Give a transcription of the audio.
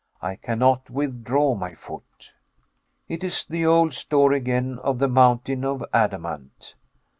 I cannot withdraw my foot. It is the old story again of the mountain of adamant.